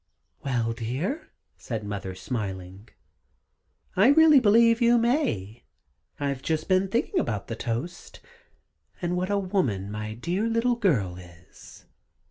"Well, dear," said Mother, smiling, "I really believe you may. I've just been thinking about the toast, and what a woman my dear little girl is."